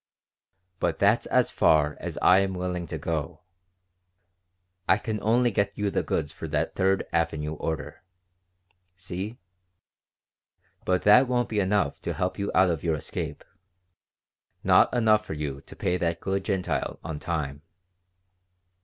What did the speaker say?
But that's as far as I am willing to go. I can only get you the goods for that Third Avenue order. See? But that won't be enough to help you out of your scrape, not enough for you to pay that good Gentile on time."